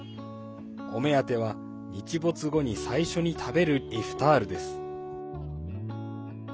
お目当ては日没後に最初に食べるイフタールです。